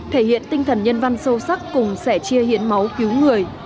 thể hiện tinh thần nhân văn sâu sắc cùng sẻ chia hiến máu cứu người